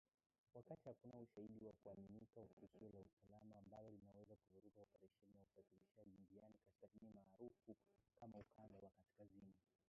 Wakati hakuna ushahidi wa kuaminika wa tishio la usalama ambalo linaweza kuvuruga operesheni za usafirishaji njiani ya kaskazini maarufu kama ukanda wa kaskazini